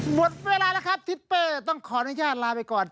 หมดเวลาแล้วครับทิศเป้ต้องขออนุญาตลาไปก่อน